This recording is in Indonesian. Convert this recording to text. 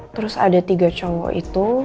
terus ada tiga congo itu